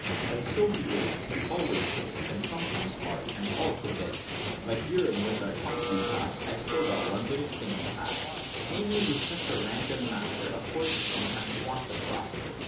"And so he is! He always hits And sometimes hard, and all to bits. But ere with him our tongues we task, I've still one little thing to ask; Namely, with such a random master, Of course you sometimes want a plaster?